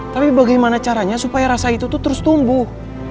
tapi bagaimana caranya supaya rasa itu terus tumbuh